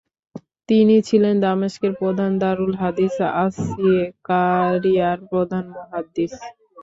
তিনি ছিলেন দামেস্কের প্রধান দারুল হাদিস আসসিকারিয়ার প্রধান মুহাদ্দিস।